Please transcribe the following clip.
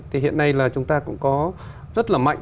thì hiện nay là chúng ta cũng có rất là mạnh